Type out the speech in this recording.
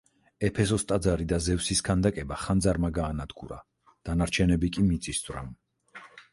ეფესოს ტაძარი და ზევსის ქანდაკება ხანძარმა გაანადგურა, დანარჩენები კი მიწისძვრამ.